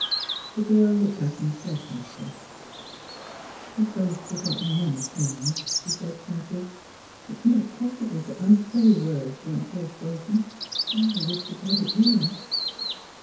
The girl looked at him steadfastly. *' We have both forgotten many things," she said, sadly. " It is not possible to unsay words, once they are spoken ^I would to God it were